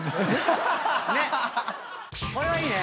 これはいいね。